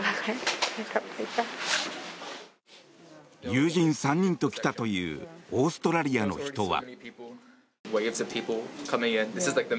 友人３人と来たというオーストラリアの人は。